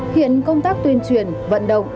hiện công tác tuyên truyền vận động